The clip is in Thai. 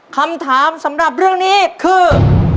คำถามสำหรับเรื่องนี้คือ